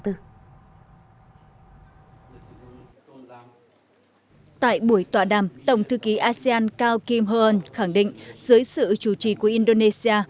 tại buổi tòa đàm tổng thư ký asean cao kim hôn khẳng định dưới sự chủ trì của indonesia